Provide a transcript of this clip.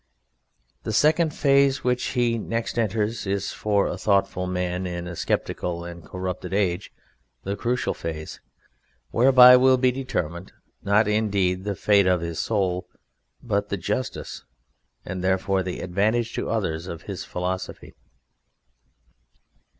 The second phase which he next enters is for a thoughtful man in a sceptical and corrupted age the crucial phase, whereby will be determined, not indeed the fate of his soul, but the justice, and therefore the advantage to others, of his philosophy.